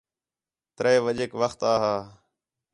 ترے وڄیک وخت آ ہا